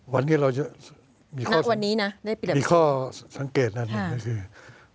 วันนี้มีข้อสังเกจอันนี้ในคลิป